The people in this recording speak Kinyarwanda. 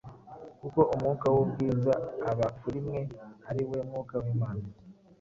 kuko Umwuka w’ubwiza aba kuri mwe, ari we Mwuka w’Imana.